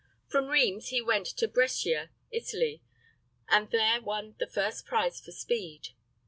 From Rheims he went to Brescia, Italy, and there won the first prize for speed.